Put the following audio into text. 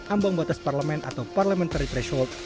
ambang batas parlemen atau parliamentary threshold